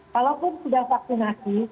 walaupun sudah vaksinasi